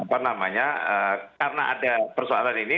apa namanya karena ada persoalan ini